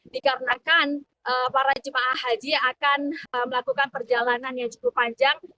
dikarenakan para jemaah haji akan melakukan perjalanan yang cukup panjang